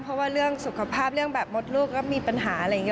เพราะว่าเรื่องสุขภาพเรื่องแบบมดลูกก็มีปัญหาอะไรอย่างนี้